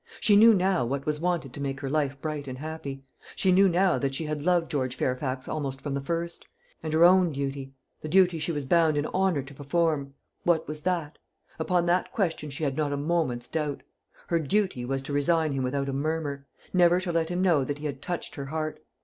She knew now what was wanted to make her life bright and happy; she knew now that she had loved George Fairfax almost from the first. And her own duty the duty she was bound in honour to perform what was that? Upon that question she had not a moment's doubt. Her duty was to resign him without a murmur; never to let him know that he had touched her heart.